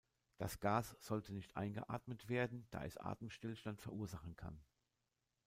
Das Gas sollte nicht eingeatmet werden, da es Atemstillstand verursachen kann.